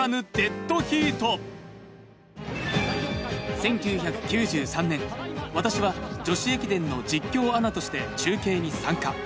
１９９３年、私は女子駅伝の実況アナとして中継に参加。